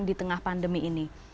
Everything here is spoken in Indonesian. di tengah pandemi ini